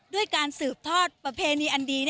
ด้วยการสืบทอดประเพณีอันดี